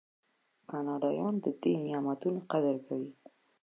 کاناډایان د دې نعمتونو قدر کوي.